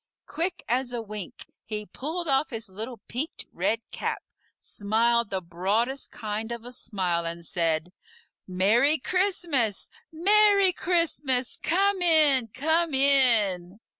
Quick as a wink, he pulled off his little peaked red cap, smiled the broadest kind of a smile, and said, "Merry Christmas! Merry Christmas! Come in! Come in!"